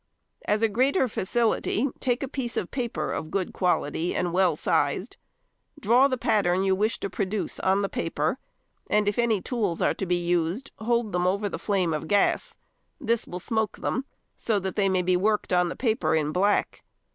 As a greater facility, take a piece of paper of good quality and well sized. Draw the pattern you wish to produce on the paper, and if any tools are to be used, hold them over the flame of gas; this will smoke them so that |132| they may be worked on the paper in black.